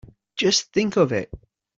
Just think of it!